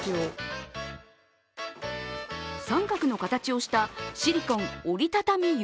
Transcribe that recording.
三角の形をしたシリコン折りたたみ